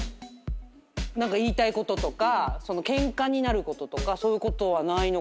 何か言いたいこととかケンカになることとかそういうことはないのかなって。